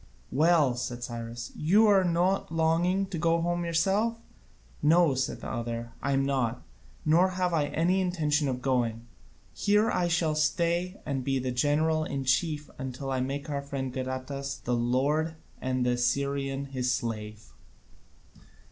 "Well," said Cyrus, "are you not longing to go home yourself?" "No," said the other. "I am not. Nor have I any intention of going: here I shall stay and be general in chief until I make our friend Gadatas the lord and the Assyrian his slave."